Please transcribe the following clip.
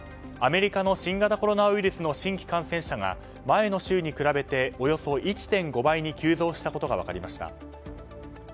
アメリカの新型コロナウイルスの新規感染者が前の週に比べておよそ１．５倍に急増したことが分かりました。